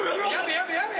やめやめ！